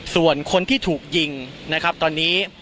ส่วนคนที่ถูกยิงนะครับตอนนี้